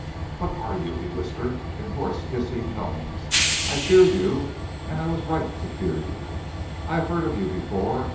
"What are you?" he whispered, in hoarse, hissing tones. "I feared you, and I was right to fear you. I have heard of you before.